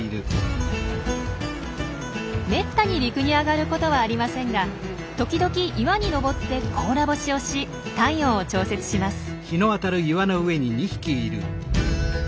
めったに陸に上がることはありませんが時々岩に登って甲羅干しをし体温を調節します。